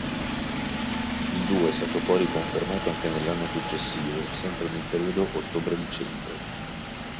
Il duo è stato poi riconfermato anche nell'anno successivo, sempre nel periodo ottobre-dicembre.